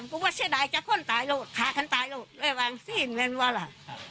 มึงก็ว่าเชื่อใดจะคนตายแล้วฆ่ากันตายแล้วเลยวางสิ้นแม่งว่าล่ะ